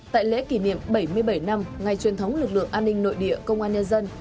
tại lễ kỷ niệm bảy mươi bảy năm ngày truyền thống lực lượng an ninh nội địa công an nhân dân